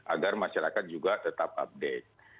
agar masyarakat juga tetap update